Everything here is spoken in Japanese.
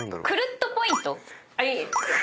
クルッとポイント？